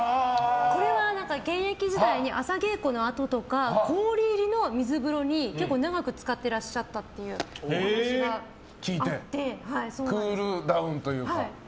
これは現役時代に朝稽古のあととかに氷入りの水風呂に結構長く浸かっていらっしゃったとクールダウンというか？